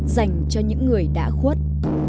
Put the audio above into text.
dành cho những người đã khuất